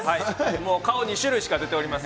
もう顔２種類しか出ていません。